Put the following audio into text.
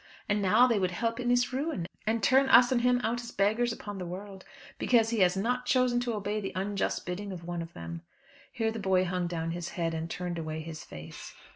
And now they would help in his ruin, and turn us and him out as beggars upon the world, because he has not chosen to obey the unjust bidding of one of them." Here the boy hung down his head, and turned away his face.